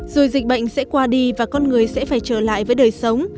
rồi dịch bệnh sẽ qua đi và con người sẽ phải trở lại với đời sống